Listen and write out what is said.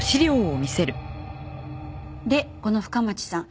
でこの深町さん